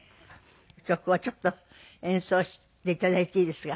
曲をちょっと演奏して頂いていいですか？